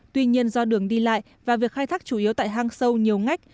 tuy nhiên do đường đi lại và việc khai thác chủ yếu tại hang sâu nhiều ngách